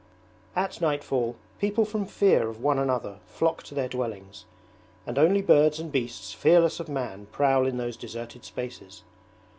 At nightfall people from fear of one another flock to their dwellings, and only birds and beasts fearless of man prowl in those deserted spaces.